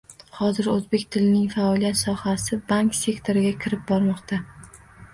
Hozir o'zbek tilining faoliyat sohasi bank sektoriga kirib bormoqda